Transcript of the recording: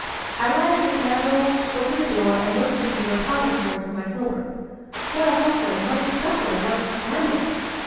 I lighted a candle, opened the door, and looked into the repository for my filberts. What a hustling, what a scuffling, what a scrambling.